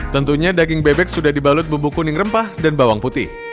tentunya daging bebek sudah dibalut bubuk kuning rempah dan bawang putih